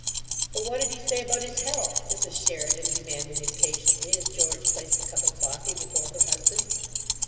"But what'd he say about his health?" Mrs. Sheridan demanded, impatiently, as George placed a cup of coffee before her husband.